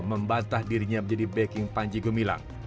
membantah dirinya menjadi peking panji gumbilang